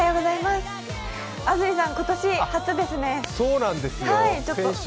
安住さん今年初ですね。